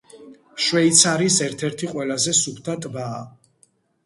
შვეიცარიის ერთ-ერთი ყველაზე სუფთა ტბაა.